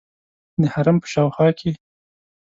د حرم په شاوخوا کې.